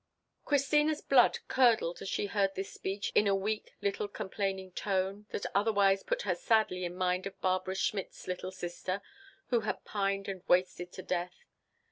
Christina's blood curdled as she heard this speech in a weak little complaining tone, that otherwise put her sadly in mind of Barbara Schmidt's little sister, who had pined and wasted to death.